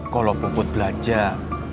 kalau puput belajar